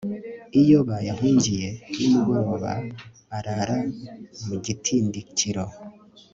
iyo bayahungiye ni mugoroba, arara mu gitindikiro